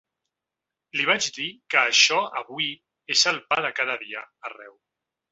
Li vaig dir que això avui és el pa de cada dia arreu.